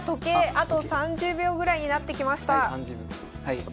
あと３０秒ぐらいになってきました。